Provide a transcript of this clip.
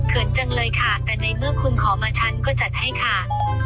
จังเลยค่ะแต่ในเมื่อคุณขอมาฉันก็จัดให้ค่ะ